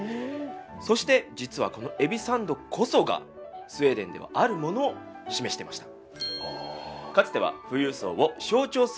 そして実はこのエビサンドこそがスウェーデンではあるものを示してました。